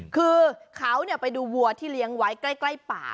คือเขาไปดูวัวที่เลี้ยงไว้ใกล้ป่า